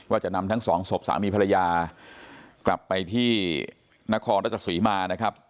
ว่าจะนำทั้งสองศพสามีภรรยากลับไปที่นครรัฐสุริมา